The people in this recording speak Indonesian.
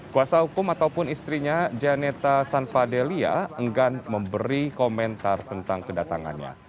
kuasa hukum ataupun istrinya janeta sanfadelia enggan memberi komentar tentang kedatangannya